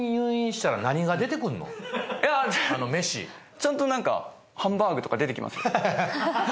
ちゃんとなんかハンバーグとか出てきますよ。